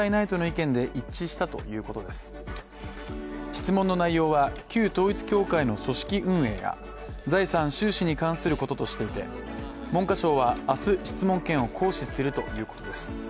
質問の内容は、旧統一教会の組織運営や財産・収支に関することとしていて文科省は明日、質問権を行使するということです。